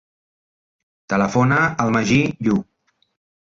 Telefona al Magí Yu.